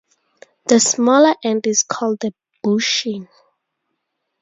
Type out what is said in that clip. The smaller end is called the 'bushing'.